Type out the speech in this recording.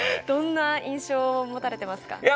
どんな印象を持たれてますか？